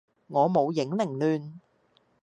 我舞影零亂。